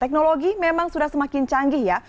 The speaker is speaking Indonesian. teknologi memang sudah semakin canggih ya